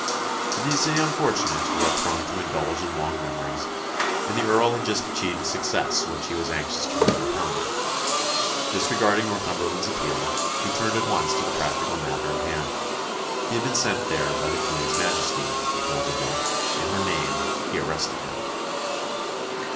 It is the unfortunate who are prone to indulge in long memories, and the Earl had just achieved a success which he was anxious to render permanent. Disregarding Northumberland's appeal, he turned at once to the practical matter in hand. He had been sent there by the Queen's Majesty, he told the Duke; in her name he arrested him.